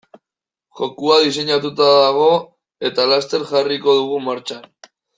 Jokoa diseinatuta dago eta laster jarriko dugu martxan.